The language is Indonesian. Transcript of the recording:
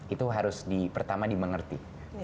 itu harus pertama dimengerti